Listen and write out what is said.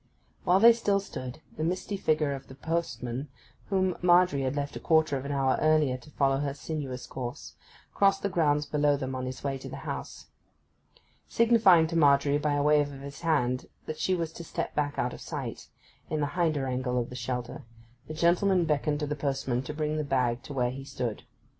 While they still stood, the misty figure of the postman, whom Margery had left a quarter of an hour earlier to follow his sinuous course, crossed the grounds below them on his way to the house. Signifying to Margery by a wave of his hand that she was to step back out of sight, in the hinder angle of the shelter, the gentleman beckoned to the postman to bring the bag to where he stood.